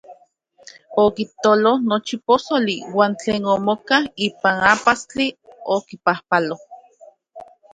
Okitolo nochi posoli uan tlen omokak ipan ajpastli, okipajpalo.